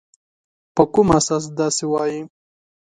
په کوم اساس داسي وایې ؟